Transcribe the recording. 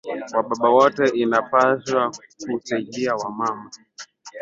Wa baba wote inapashua ku saidia wa mama